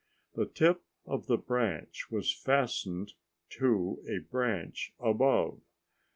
The tip of the branch was fastened to a branch above.